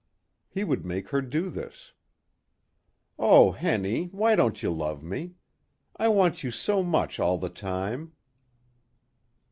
He would make her do this. "Oh, Henny. Why don't you love me? I want you so much all the time."